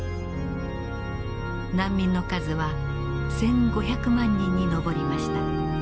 難民の数は１，５００万人に上りました。